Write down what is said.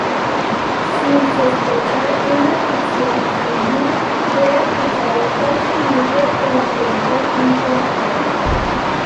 Sin sospechar una traición, Sun Bin fue acusado falsamente de intentar un complot.